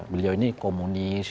beliau ini komunik